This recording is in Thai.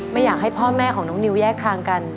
ไม่อยากให้พ่อแม่ของน้องนิวแยกทางกัน